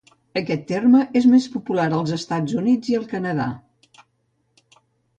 Aquest terme és més popular als Estats Units i al Canadà.